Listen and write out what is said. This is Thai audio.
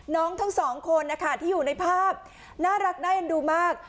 ทั้งสองคนนะคะที่อยู่ในภาพน่ารักน่าเอ็นดูมาก